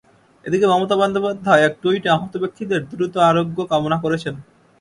এদিকে মমতা বন্দ্যোপাধ্যায় এক টুইটে আহত ব্যক্তিদের দ্রুত আরোগ্য কামনা করেছেন।